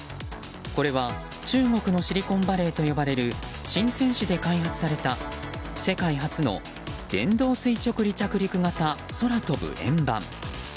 これは中国のシリコンバレーと呼ばれるシンセン市で開発された世界初の電動垂直離着陸型空飛ぶ円盤。